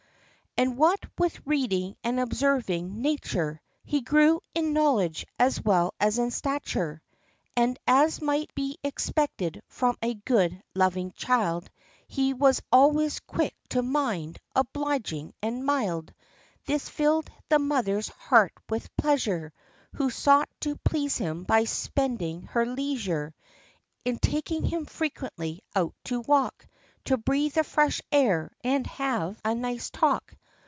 And what with reading and observing nature, He grew in knowledge, as well as in stature; And, as might be expected from a good, loving child, He was always quick to mind, obliging and mild. This filled the mother's heart with pleasure, Who sought to please him by spending her leisure In taking him frequently out to walk, To breathe the fresh air, and have a nice talk.